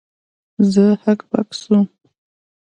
زه هک پک سوم.